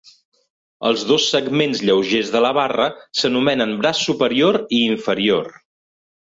Els dos segments lleugers de la barra s'anomenen braç superior i inferior.